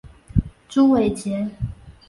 朱伟捷。